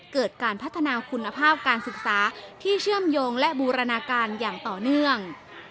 เกิดการพัฒนาคุณภาพการศึกษาที่เชื่อมโยงและบูรณาการอย่างต่อเนื่อง